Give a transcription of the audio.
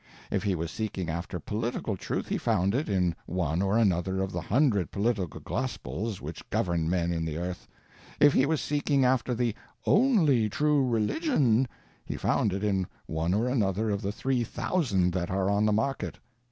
If he was seeking after political Truth he found it in one or another of the hundred political gospels which govern men in the earth; if he was seeking after the Only True Religion he found it in one or another of the three thousand that are on the market.